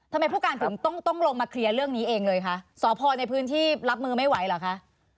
ทำไมผู้การถึงต้องต้องลงมาเคลียร์เรื่องนี้เองเลยคะสพในพื้นที่รับมือไม่ไหวเหรอคะ